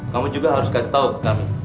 kamu juga harus kasih tahu ke kami